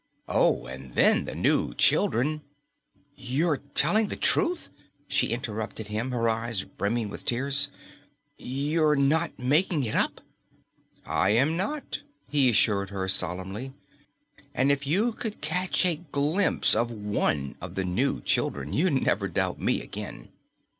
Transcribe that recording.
Oh, and then the new children " "You're telling the truth?" she interrupted him, her eyes brimming with tears. "You're not making it up?" "I am not," he assured her solemnly. "And if you could catch a glimpse of one of the new children, you'd never doubt me again.